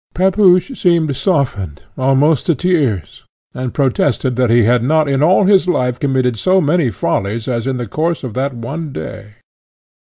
Pepusch seemed softened almost to tears, and protested that he had not in all his life committed so many follies as in the course of that one day.